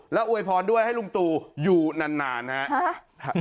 แล้วอวยพรด้วยให้ลุงตูอยู่นานนะครับ